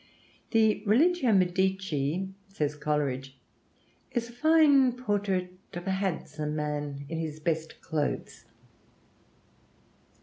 "The 'Religio Medici,'" says Coleridge, "is a fine portrait of a handsome man in his best clothes."